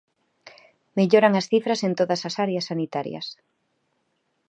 Melloran as cifras en todas as áreas sanitarias.